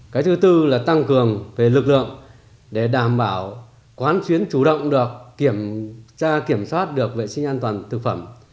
cái thứ tư là tăng cường về lực lượng để đảm bảo quán xuyến chủ động được kiểm soát được vệ sinh an toàn thực phẩm